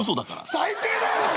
最低だよ！